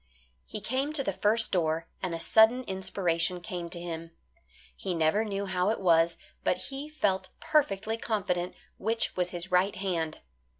He came to the first door, and a sudden inspiration came to him. He never knew how it was, but he felt perfectly confident which was his right hand.